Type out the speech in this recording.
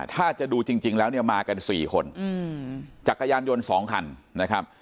ถ้าจะดูจริงแล้วเนี่ยมากัน๔คนจักรยานยนต์๒คันนะครับ